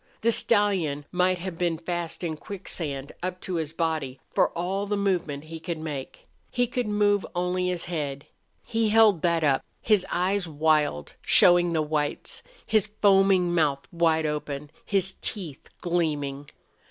The stallion might have been fast in quicksand, up to his body, for all the movement he could make. He could move only his head. He held that up, his eyes wild, showing the whites, his foaming mouth wide open, his teeth gleaming.